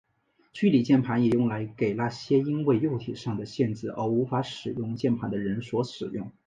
虚拟键盘也用来给那些因为肉体上的限制而无法使用键盘的人所使用。